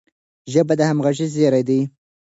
ژبه د همږغی زیری دی.